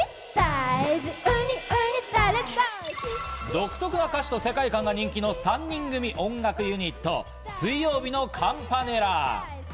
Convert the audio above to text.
独特な歌詞と世界観が人気の３人組音楽ユニット・水曜日のカンパネラ。